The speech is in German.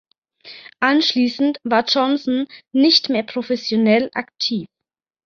Anschließend war Johnson nicht mehr professionell aktiv.